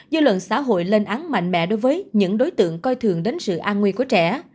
dư luận xã hội lên án mạnh mẽ đối với những đối tượng coi thường đến sự an nguy của trẻ